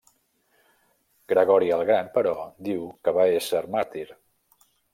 Gregori el Gran, però, diu que va ésser màrtir.